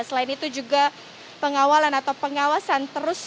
selain itu juga pengawalan atau pengawasan terus